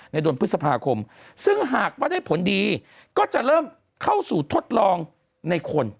เดือนพฤษภาคมซึ่งหากว่าได้ผลดีก็จะเริ่มเข้าสู่ทดลองในคน